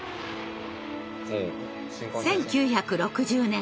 １９６０年